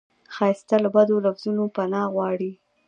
ښایست له بدو لفظونو نه پناه غواړي